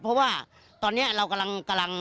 เพราะว่าตอนนี้เรากำลังกำลัง